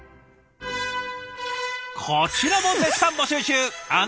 こちらも絶賛募集中！